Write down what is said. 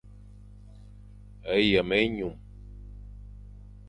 Yem-enyum.